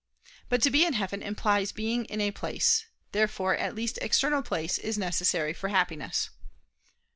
But to be in heaven implies being in a place. Therefore at least external place is necessary for Happiness.